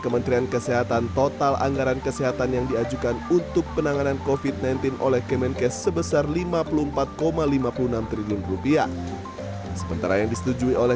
kementerian kesehatan terawan agus putranto